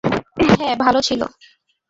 হ্যাঁ, ভালো ছিল।